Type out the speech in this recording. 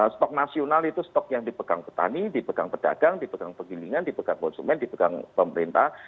stok nasional itu stok yang dipegang petani dipegang pedagang dipegang penggilingan dipegang konsumen dipegang pemerintah